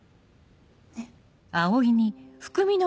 ねっ。